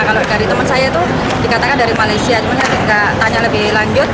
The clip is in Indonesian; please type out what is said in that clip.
kalau dari teman saya itu dikatakan dari malaysia cuman saya tidak tanya lebih lanjut